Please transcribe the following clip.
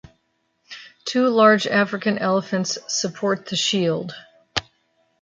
Two large African elephants support the shield.